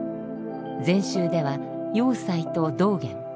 禅宗では栄西と道元。